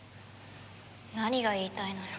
何が言いたいのよ？